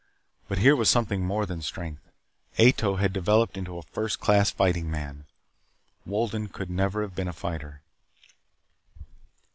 But here was something more than strength. Ato had developed into a first class fighting man. Wolden could never have been a fighter.